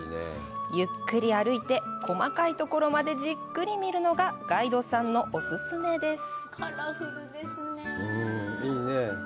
ゆっくり歩いて細かいところまでじっくり見るのがガイドさんのお勧めです。